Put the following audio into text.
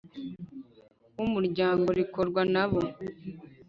W umuryango rikorwa n abo